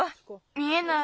見えない。